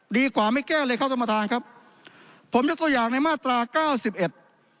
ดีกว่าไม่แก้เลยครับท่านประธานครับผมยกตัวอย่างในมาตราเก้าสิบเอ็ด